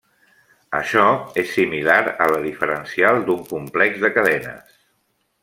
Això és similar a la diferencial d'un complex de cadenes.